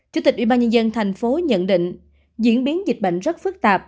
chủ tịch ủy ban nhân dân thành phố nhận định diễn biến dịch bệnh rất phức tạp